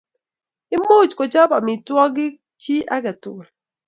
Imuch kochop amitwogik chi ake tukul.